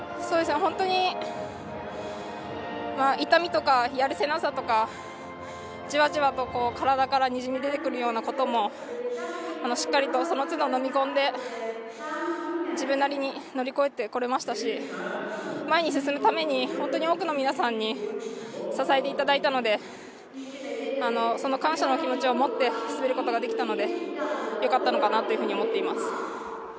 本当に痛みとか、やるせなさとかじわじわと、体からにじみ出てくるようなこともしっかりとその都度、飲み込んで自分なりに乗り越えてこられましたし前に進むために、多くの皆さんに支えていただいたので感謝の気持ちを持って滑ることができたのでよかったかなと思っています。